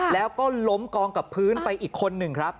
แล้วก็ล้มกองกับพื้นไปอีกคนหนึ่งครับ